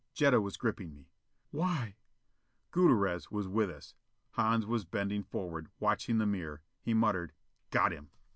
Jetta was gripping me. "Why " Gutierrez was with us. Hans was bending forward, watching the mirror. He muttered, "Got him!"